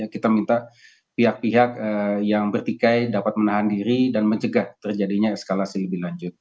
kita minta pihak pihak yang bertikai dapat menahan diri dan mencegah terjadinya eskalasi lebih lanjut